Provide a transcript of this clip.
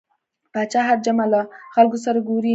پاچا هر جمعه له خلکو سره ګوري .